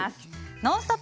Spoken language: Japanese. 「ノンストップ！」